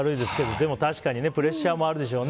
でも確かにプレッシャーもあるでしょうね。